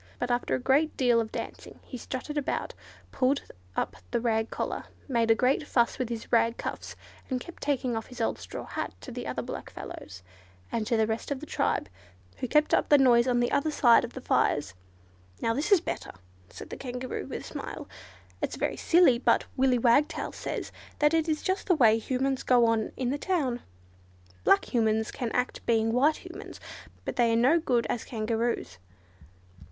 But, after a great deal of dancing, he strutted about, pulled up the rag collar, made a great fuss with his rag cuffs, and kept taking off his old straw hat to the other black fellows, and to the rest of the tribe, who kept up the noise on the other side of the fires. "Now this is better!" said the Kangaroo, with a smile. "It's very silly, but Willy Wagtail says that is just the way Humans go on in the town. Black Humans can act being white Humans, but they are no good as Kangaroos."